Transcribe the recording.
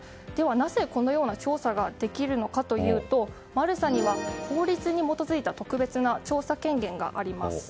なぜこのような調査ができるのかというとマルサには法律に基づいた特別な調査権限があります。